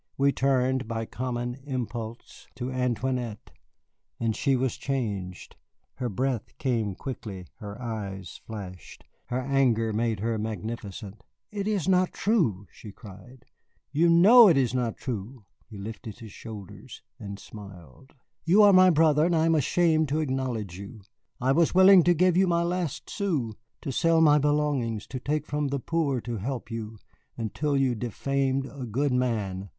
We turned by common impulse to Antoinette, and she was changed. Her breath came quickly, her eyes flashed, her anger made her magnificent. "It is not true," she cried, "you know it is not true." He lifted his shoulders and smiled. "You are my brother, and I am ashamed to acknowledge you. I was willing to give my last sou, to sell my belongings, to take from the poor to help you until you defamed a good man.